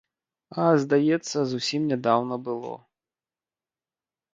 А, здаецца, зусім нядаўна было.